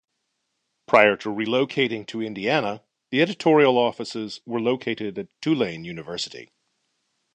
Prior to relocating to Indiana, the editorial offices were located at Tulane University.